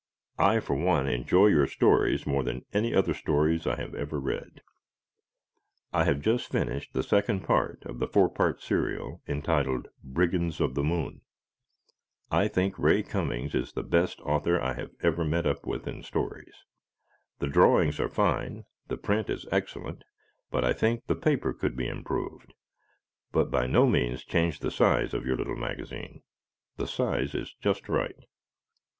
I, for one, enjoy your stories more than any other stories I have ever read. I have just finished the second part of the four part serial entitled "Brigands of the Moon." I thing Ray Cummings is the best author I have ever met up with in stories. The drawings are fine, the print is excellent, but I think the paper could be improved. But by no means change the size of your little magazine. The size is just right.